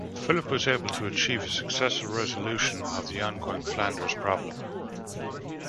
Philip was able to achieve a successful resolution of the ongoing Flanders problem.